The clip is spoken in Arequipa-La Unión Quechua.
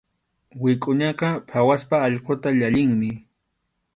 Wikʼuñaqa phawaspa allquta llallinmi.